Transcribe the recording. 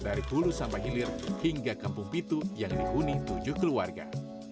dari hulu sampai hilir hingga kampung pitu yang dihuni tujuh keluarga